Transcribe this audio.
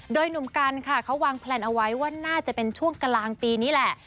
โดยหนุ่มกันค่ะเขาวางแพลนเอาไว้ว่าน่าจะเป็นช่วงกลางปีนี้แหละ